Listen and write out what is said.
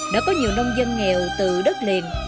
đã có nhiều nông dân nghèo từ đất liền